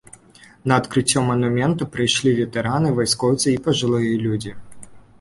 На адкрыццё манумента прыйшлі ветэраны, вайскоўцы і пажылыя людзі.